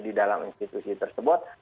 di dalam institusi tersebut